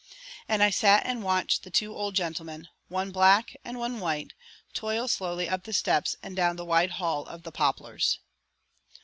And I sat and watched the two old gentlemen, one black and one white, toil slowly up the steps and down the wide hall of the Poplars.